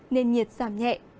nên nhiệt giảm nhẹ